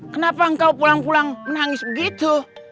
kenapa engkau pulang pulang menangis begitu